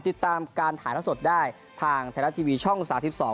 ติดตามการถ่ายทักสดได้ทางแทนาทีวีช่องศาสตร์ที่๒